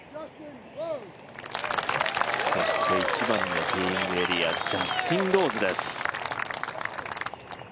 そして１番のティーイングエリア、ジャスティン・ローズです。